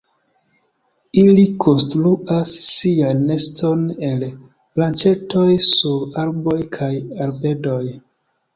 Ili konstruas sian neston el branĉetoj sur arboj kaj arbedoj.